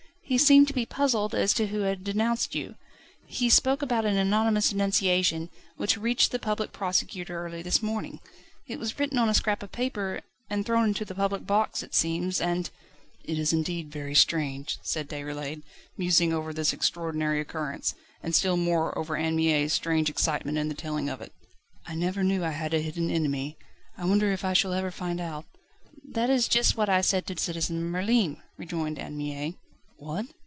He seemed to be puzzled as to who had denounced you. He spoke about an anonymous denunciation, which reached the Public Prosecutor early this morning. It was written on a scrap of paper, and thrown into the public box, it seems, and ..." "It is indeed very strange," said Déroulède, musing over this extraordinary occurrence, and still more over Anne Mie's strange excitement in the telling of it. "I never knew I had a hidden enemy. I wonder if I shall ever find out ..." "That is just what I said to Citizen Merlin," rejoined Anne Mie. "What?"